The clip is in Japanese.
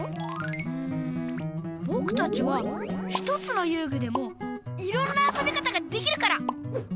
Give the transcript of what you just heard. うんぼくたちは１つのゆうぐでもいろんなあそび方ができるから！